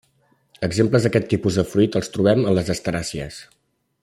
Exemples d'aquest tipus de fruit els trobem en les asteràcies.